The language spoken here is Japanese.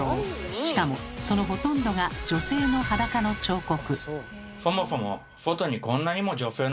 しかもそのほとんどが女性の裸の彫刻。